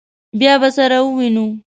بیا به سره ووینو.